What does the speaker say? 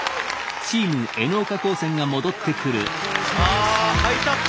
あハイタッチです。